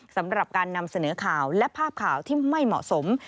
สำหรับการนำเสนอข่าวและภาพข่าวที่ไม่เหมาะสม